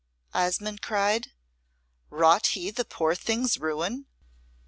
Osmonde cried, "wrought he the poor thing's ruin?"